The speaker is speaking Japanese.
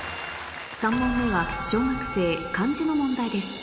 ３問目は小学生漢字の問題です